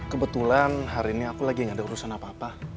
kebetulan hari ini aku lagi gak ada urusan apa apa